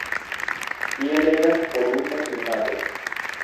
Tie regas polusa klimato.